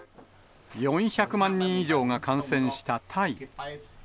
４００万人以上が感染したタイ。